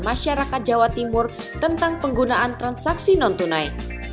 masyarakat jawa timur tentang penggunaan transaksi non tunai